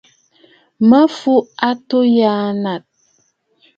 Mǝ̀ fùu àtû yâ natt.